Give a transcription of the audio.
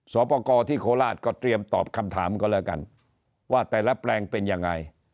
สอบประกอบที่โคราชก็เตรียมตอบคำถามก็แล้วกันว่าแต่ละแปลงเป็นยังไง